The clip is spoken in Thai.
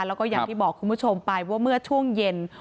แล้วก็อย่างที่บอกคุณผู้ชมไปว่าเมื่อช่วงเย็น